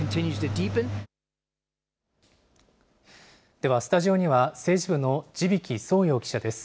では、スタジオには政治部の地曳創陽記者です。